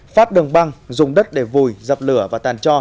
phát đường băng dùng đất để vùi dập lửa và tàn cho